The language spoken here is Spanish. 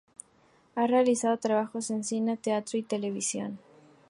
Ha realizado trabajos en cine, teatro y televisión.